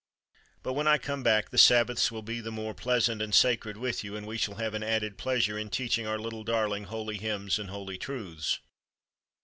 But when I come back the Sabbaths will be the more pleasant and sacred with you, and we shall have an added pleasure in teaching our little darling holy hymns and holy truths."